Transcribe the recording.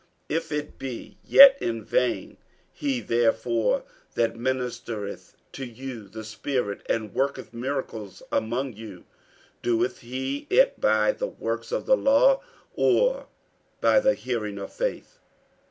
if it be yet in vain. 48:003:005 He therefore that ministereth to you the Spirit, and worketh miracles among you, doeth he it by the works of the law, or by the hearing of faith?